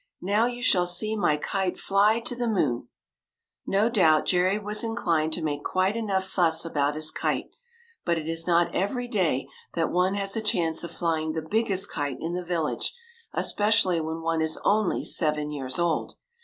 " Now, you shall see my kite fly to the moon !" No doubt, Jerry was inclined to make quite enough fuss about his kite ; but it is not every day that one has a chance of flying the biggest kite in the village, especially when one is only seven years old.